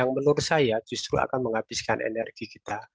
yang menurut saya justru akan menghabiskan energi kita